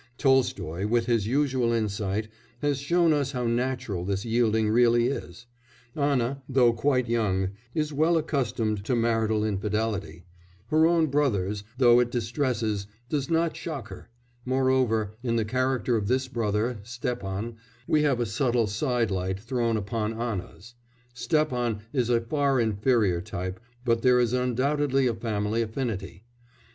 Tolstoy, with his usual insight, has shown us how natural this yielding really is. Anna, though quite young, is well accustomed to marital infidelity; her own brother's, though it distresses, does not shock her; moreover, in the character of this brother, Stepan, we have a subtle side light thrown upon Anna's; Stepan is a far inferior type, but there is undoubtedly a family affinity.